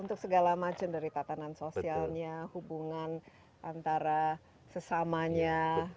untuk segala macam dari tatanan sosialnya hubungan antara sesamanya